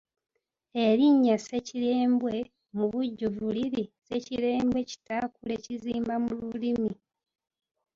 Erinnya Ssekirembwe mu bujjuvu liri Ssekirembwe kitaakule kizimba mu lumuli.